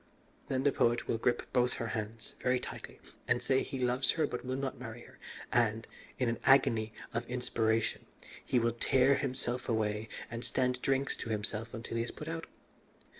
Then the poet will grip both her hands very tightly and say he loves her but will not marry her, and, in an agony of inspiration, he will tear himself away and stand drinks to himself until he is put out.